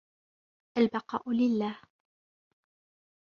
البقاء لله